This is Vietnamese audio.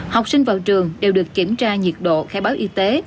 học sinh vào trường đều được kiểm tra nhiệt độ khai báo y tế